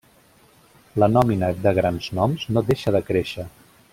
La nòmina de grans noms no deixà de créixer.